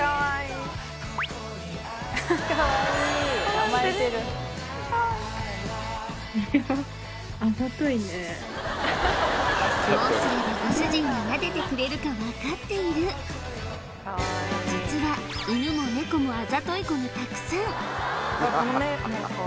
これはどうすればご主人がなでてくれるかわかっている実は犬もネコもあざとい子がたくさん！